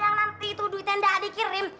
jam satu siang nanti itu duitnya enggak dikirim